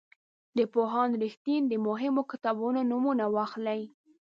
د پوهاند رښتین د مهمو کتابونو نومونه واخلئ.